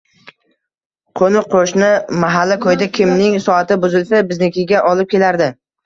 Qo‘ni-qo‘shni, mahalla-ko‘yda kimning soati buzilsa, biznikiga olib kelardi.